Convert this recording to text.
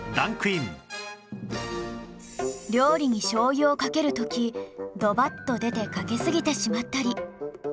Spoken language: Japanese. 料理に醤油をかける時ドバッと出てかけすぎてしまったり